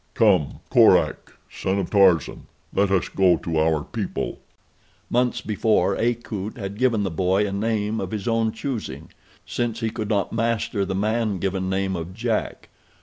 Come, Korak, son of Tarzan, let us go to our people." Months before Akut had given the boy a name of his own choosing, since he could not master the man given name of Jack.